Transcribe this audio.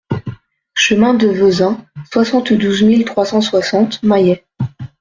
Chemin de Vezin, soixante-douze mille trois cent soixante Mayet